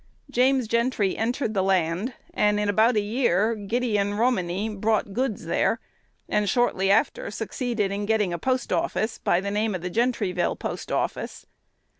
James Gentry entered the land; and in about a year Gideon Romine brought goods there, and shortly after succeeded in getting a post office, by the name of Gentryville Post office.